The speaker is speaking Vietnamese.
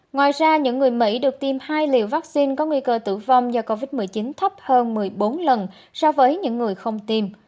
ngoài ra những người mỹ được tiêm hai liều vaccine có nguy cơ tử vong do covid một mươi chín thấp hơn một mươi bốn lần so với những người không tiêm